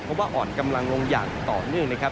เพราะว่าอ่อนกำลังลงอย่างต่อเนื่องนะครับ